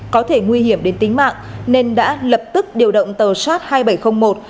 có thể nguy hiểm đến tính mạng nên đã lập tức điều động tàu shat hai nghìn bảy trăm linh một